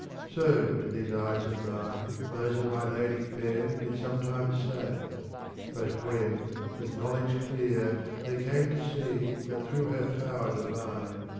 ^* So to these eyes of mine Those of my Lady fair did sometimes say; But when, with knowledge clear, they came to see That through her power divine.